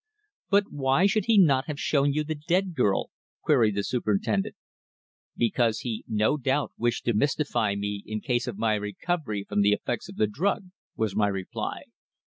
"But why should he not have shown you the dead girl?" queried the Superintendent. "Because he no doubt wished to mystify me in case of my recovery from the effects of the drug," was my reply.